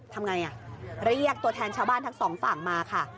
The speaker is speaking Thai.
ทำไงเรียกตัวแทนชาวบ้านทั้งสองฝั่งมาค่ะ